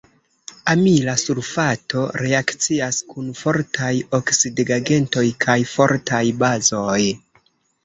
Amila sulfato reakcias kun fortaj oksidigagentoj kaj fortaj bazoj.